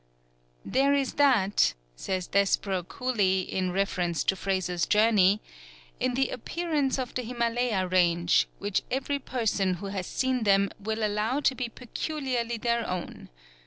"] "There is that," says Desborough Cooley in reference to Fraser's journey, "in the appearance of the Himalaya range, which every person who has seen them will allow to be peculiarly their own.